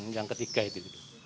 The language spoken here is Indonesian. yang ketiga itu